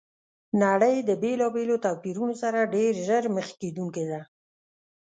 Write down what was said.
نړۍ د بېلابېلو توپیرونو سره ډېر ژر مخ کېدونکي ده!